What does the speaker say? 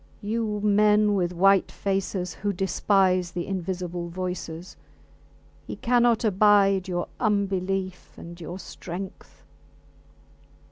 You men with white faces who despise the invisible voices. He cannot abide your unbelief and your strength.